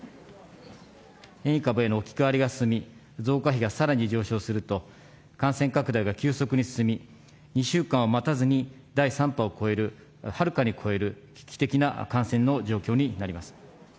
変異株への置き換わりが進み、増加比がさらに上昇すると、感染拡大が急速に進み、２週間を待たずに第３波を超える、はるかに超える、危機的な感染の状況になります。